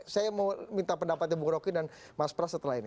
saya mau minta pendapatnya bung roky dan mas pras setelah ini